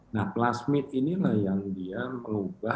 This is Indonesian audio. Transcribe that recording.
nah plasmid inilah yang dia mengubah